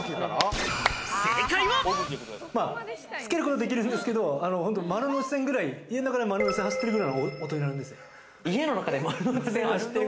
つけることはできるんですけど、丸ノ内線くらい家の中で丸ノ内線が走ってるくらいの音になるんですよ。